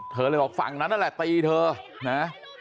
เธอเลยบอกฝั่งนั้นนั่นแหละตีเธอนะ